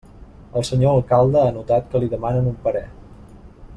El senyor alcalde ha notat que li demanen un parer.